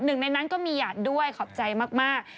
หนึ่งในนั้นก็มีหยาดด้วยขอบใจมาก